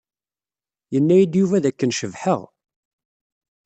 Yenna-yi-d Yuba d akken cebḥeɣ.